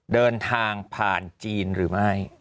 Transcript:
เดินทางผ่านจีนหรือไม่